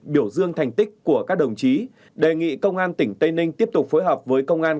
biểu dương thành tích của các đồng chí đề nghị công an tỉnh tây ninh tiếp tục phối hợp với công an